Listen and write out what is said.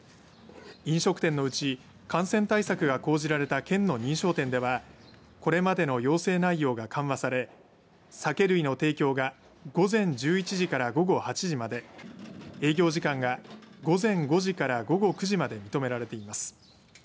飲食店のうち感染対策が講じられた県の認証店ではこれまでの要請内容が緩和され酒類の提供が午前１１時から午後８時まで営業時間が午前５時から午後９時まで認められています。